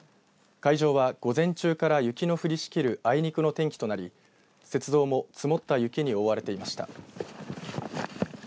会場は午前中から雪の降りしきるあいにくの天気となり雪像も積もった雪に覆われていました。